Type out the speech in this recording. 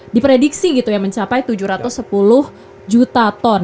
diprediksi gitu ya mencapai tujuh ratus sepuluh juta ton